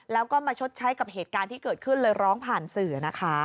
แล้วก็มาชดใช้กับเหตุการณ์ที่เกิดขึ้นเลยร้องผ่านสื่อนะคะ